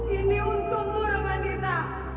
ini untukmu romantina